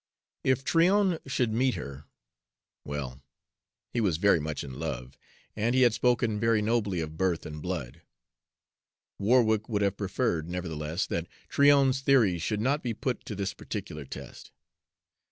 If Tryon should meet her well, he was very much in love, and he had spoken very nobly of birth and blood. Warwick would have preferred, nevertheless, that Tryon's theories should not be put to this particular test.